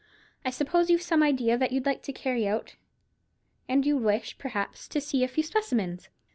"I suppose you've some idea that you'd like to carry out; and you'd wish, perhaps, to see a few specimens."